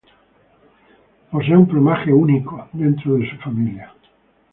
Posee un plumaje único dentro de su familia.